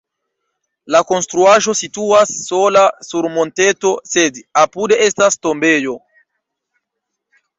La konstruaĵo situas sola sur monteto, sed apude estas tombejo.